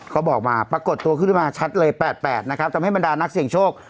ก็บอกมาปรากฏตัวขึ้นมาชัดเลย๘๘นะครับทำให้บรรดานักเสี่ยงโชค